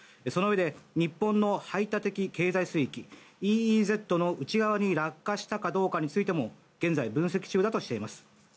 そのうえで日本の排他的経済水域・ＥＥＺの内側に落下したかどうかについても現在、分析中だとしています。